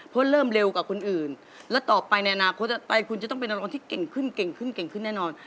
เพราะเริ่มเร็วกว่าคนอื่นแล้วต่อไปในอนาคตไตรคุณจะต้องเป็นนักร้องที่เก่งขึ้นแน่นอน